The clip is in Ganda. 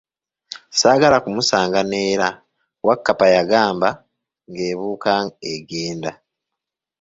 Saagala kumusaanga n'era, Wakkapa yagamba, ng'ebuuka egenda.